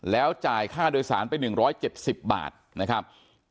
แล้วจ่ายค่าโดยสารไปหนึ่งร้อยเจ็ดสิบบาทนะครับ